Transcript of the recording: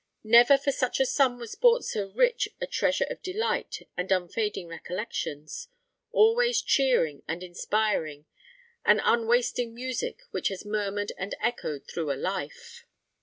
Never for such a sum was bought so rich a treasure of delightful and unfading recollections, always cheering and inspiring an unwasting music which has murmured and echoed through a life.